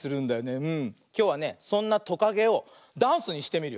きょうはねそんなトカゲをダンスにしてみるよ。